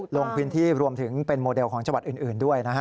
ลงพื้นที่รวมถึงเป็นโมเดลของจังหวัดอื่นด้วยนะฮะ